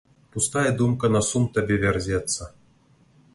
Пустая думка на сум табе вярзецца.